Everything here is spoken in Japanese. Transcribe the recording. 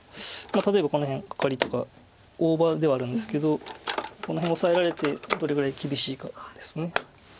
例えばこの辺カカリとか大場ではあるんですけどこの辺オサえられてどれぐらい厳しいかです。